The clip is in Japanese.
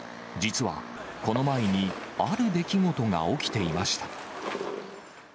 実は、この前にある出来事が起きていました。